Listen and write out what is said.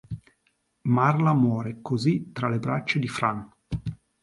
Marla muore così tra le braccia di Fran.